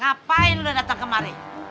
ngapain lo dateng kemari